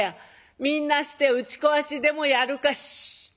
「みんなして打ち壊しでもやるか」。「しっ！